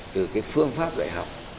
từ cái phương pháp dạy học